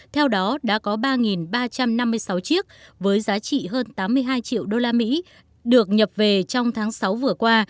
theo đó đã có ba ba trăm năm mươi sáu chiếc với giá trị hơn tám mươi hai triệu usd được nhập về trong tháng sáu vừa qua